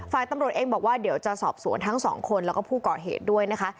ฝ่ายตำรวจเองบอกว่าเดี๋ยวจะสอบสวนทั้งสองคนแล้วก็ผู้ก่อเหตุด้วยนะคะ